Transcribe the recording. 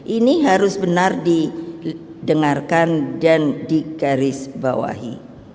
ini harus benar didengarkan dan digarisbawahi